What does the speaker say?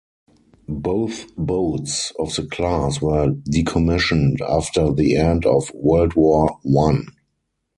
Both boats of the class were decommissioned after the end of World War I.